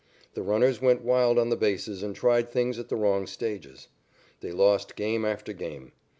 The runners went wild on the bases and tried things at the wrong stages. They lost game after game.